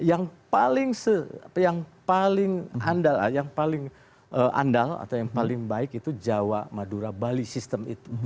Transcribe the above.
yang paling andal atau yang paling baik itu jawa madura bali system itu